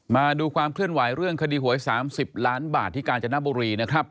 มาดูความเคลื่อนไหวเรื่องคดีหวย๓๐ล้านบาทที่กาญจนบุรีนะครับ